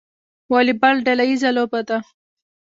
والیبال ډله ییزه لوبه ده